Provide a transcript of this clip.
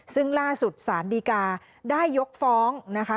ซึ่งล่าสุดสารดีกาได้ยกฟ้องนะคะ